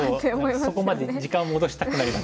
そこまで時間を戻したくなりますよね。